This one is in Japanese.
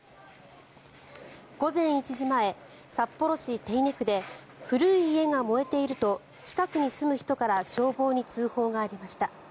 午前１時前、札幌市手稲区で古い家が燃えていると近くに住む人から消防に通報がありました。